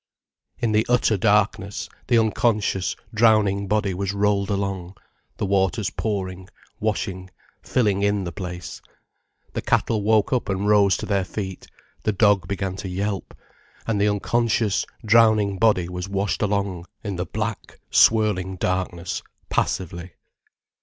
In the utter darkness, the unconscious, drowning body was rolled along, the waters pouring, washing, filling in the place. The cattle woke up and rose to their feet, the dog began to yelp. And the unconscious, drowning body was washed along in the black, swirling darkness, passively.